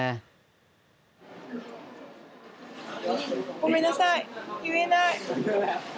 ごめんなさい言えない。